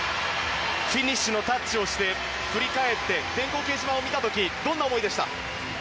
フィニッシュのタッチをして振り返って電光掲示板を見た時どんな思いでした？